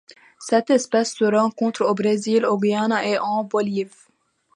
Cette espèce se rencontre au Brésil, au Guyana et en Bolivie.